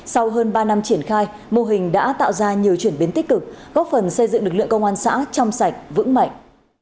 sau hơn ba năm triển khai mô hình đã tạo ra nhiều chuyển biến tích cực góp phần xây dựng lực lượng công an xã trong sạch vững mạnh